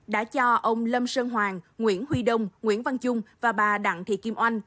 đã cho ông lâm sơn hoàng nguyễn huy đông nguyễn văn trung và bà đặng thị kim oanh